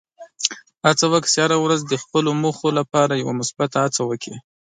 هڅه وکړه چې هره ورځ د خپلو موخو لپاره یوه مثبته هڅه وکړې.